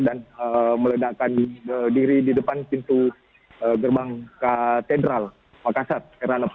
dan meledakkan diri di depan pintu gerbang katedral makassar heranop